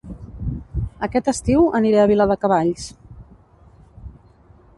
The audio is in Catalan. Aquest estiu aniré a Viladecavalls